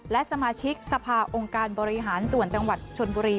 และสมาชิกสภาองค์การบริหารส่วนจังหวัดชนบุรี